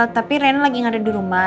tapi rena lagi yang ada di rumah